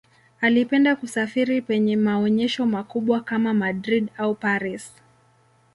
Alipenda kusafiri penye maonyesho makubwa kama Madrid au Paris.